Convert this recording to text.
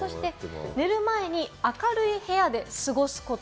寝る前に明るい部屋で過ごすこと。